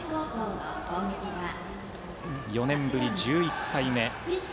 ４年ぶり１１回目。